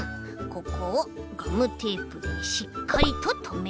ここをガムテープでしっかりととめて。